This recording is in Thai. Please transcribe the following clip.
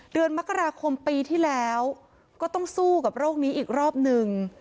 เดือนมกราคมปีที่แล้วก็ต้องสู้กับโรคนี้อีกรอบหนึ่ง